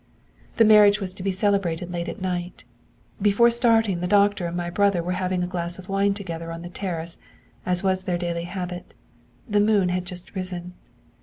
'The marriage was to be celebrated late at night. Before starting, the doctor and my brother were having a glass of wine together on the terrace, as was their daily habit. The moon had just risen.